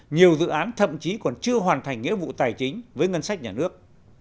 nhiều dự án thậm chí còn chưa hoàn thành nghĩa vụ tài chính với ngân sách nhà nước